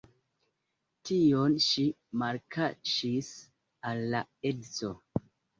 Tion ŝi malkaŝis al la edzo.